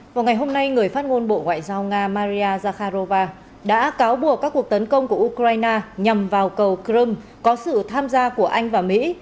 vào ngày hôm nay người phát ngôn bộ ngoại giao nga maria zakharova đã cáo buộc các cuộc tấn công của ukraine nhằm vào cầu crimea có sự tham gia của anh và mỹ